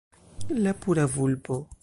La pura vulpo